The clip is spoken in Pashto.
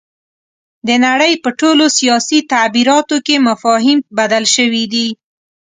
د نړۍ په ټولو سیاسي تعبیراتو کې مفاهیم بدل شوي دي.